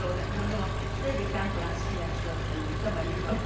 でも１人でキャンプが好きな人っていう人もいるかも。